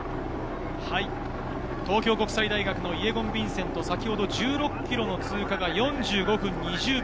東京国際大学のイェゴン・ヴィンセント、１６ｋｍの通過が４５分２０秒。